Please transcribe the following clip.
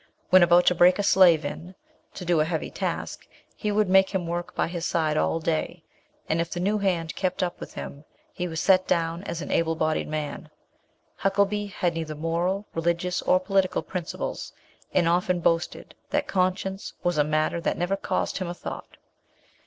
When about to break a slave in, to do a heavy task, he would make him work by his side all day; and if the new hand kept up with him, he was set down as an able bodied man. Huckelby had neither moral, religious, or political principles, and often boasted that conscience was a matter that never "cost" him a thought.